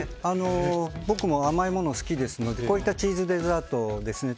僕も甘いもの好きですのでこういったチーズデザートですね。